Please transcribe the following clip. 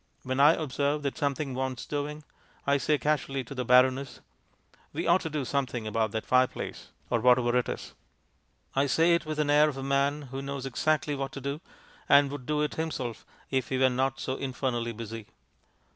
When I observe that something wants doing, I say casually to the baroness, "We ought to do something about that fireplace," or whatever it is. I say it with the air of a man who knows exactly what to do, and would do it himself if he were not so infernally busy.